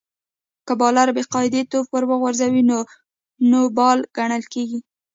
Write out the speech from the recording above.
که بالر بې قاعدې توپ ور وغورځوي؛ نو نو بال ګڼل کیږي.